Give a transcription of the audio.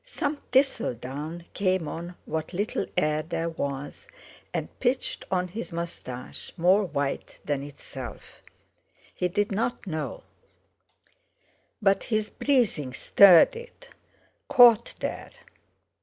Some thistle down came on what little air there was, and pitched on his moustache more white than itself. He did not know; but his breathing stirred it, caught there.